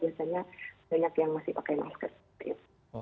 biasanya banyak yang masih pakai masker